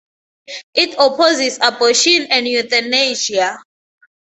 It opposes abortion and euthanasia.